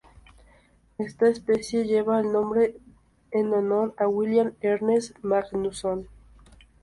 Esta especie lleva el nombre en honor a William Ernest Magnusson.